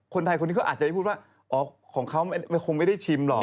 คนไทยคนนี้เขาอาจจะพูดว่าอ๋อของเขาคงไม่ได้ชิมหรอก